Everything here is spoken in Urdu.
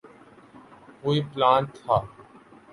کوئی پلان تھا۔